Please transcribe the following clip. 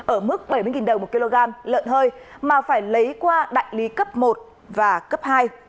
ở mức bảy mươi đồng một kg lợn hơi mà phải lấy qua đại lý cấp một và cấp hai